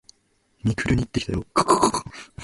未来に行ってきたよ！